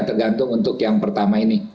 tergantung untuk yang pertama ini